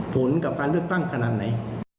ผลกับการเลือกตั้งขนาดไหน